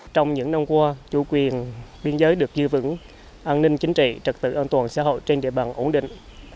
trong những năm qua chủ quyền biên giới được giữ vững an ninh chính trị trật tự an toàn xã hội trên địa bàn ổn định